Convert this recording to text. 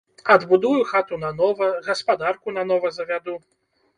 Адбудую хату нанова, гаспадарку нанова завяду.